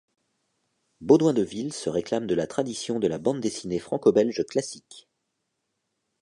Baudouin Deville se réclame de la tradition de la bande dessinée franco-belge classique.